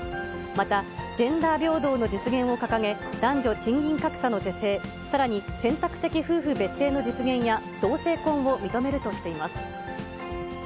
また、ジェンダー平等の実現を掲げ、男女賃金格差の是正、さらに選択的夫婦別姓の実現や、同性婚を認めるとしています。